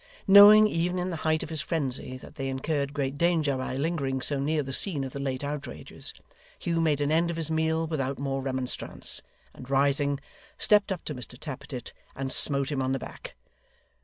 Knowing, even in the height of his frenzy, that they incurred great danger by lingering so near the scene of the late outrages, Hugh made an end of his meal without more remonstrance, and rising, stepped up to Mr Tappertit, and smote him on the back.